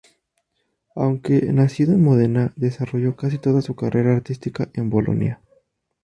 Aunque nacido en Módena, desarrolló casi toda su carrera artística en Bolonia.